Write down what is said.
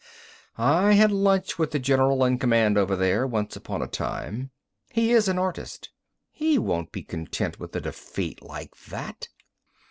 "I had lunch with the general in command over there, once upon a time. He is an artist. He won't be content with a defeat like that!